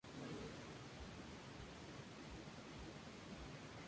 Rodas interpuso tres amparos en la Corte Constitucional a favor de Velásquez Gómez.